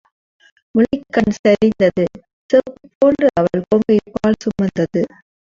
முலைக்கண் கரிந்தது செப்புப் போன்ற அவள் கொங்கை பால் சுமந்தது.